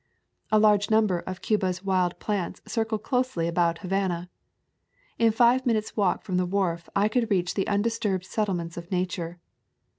A large number of Cuba's wild plants circle closely about Havana. In five minutes' walk from the wharf I could reach the undisturbed settlements of Nature.